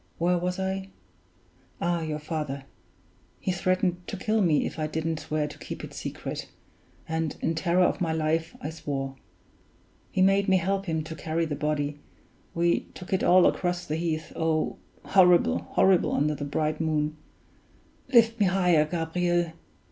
Where was I? Ah, your father! He threatened to kill me if I didn't swear to keep it secret; and in terror of my life I swore. He made me help him to carry the body we took it all across the heath oh! horrible, horrible, under the bright moon (lift me higher, Gabriel).